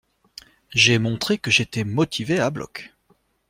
J'ai montré que j’étais motivé à bloc.